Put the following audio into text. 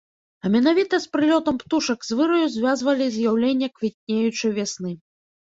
А менавіта з прылётам птушак з выраю звязвалі з'яўленне квітнеючай вясны.